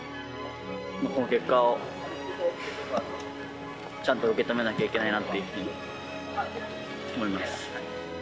この結果をちゃんと受け止めなきゃいけないなというふうに思います。